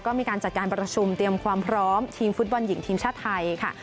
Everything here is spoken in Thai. ก็มีการจัดการประชุมเตรียมความพร้อมทีมฟุตบอลหญิงทีมชาติไทยค่ะ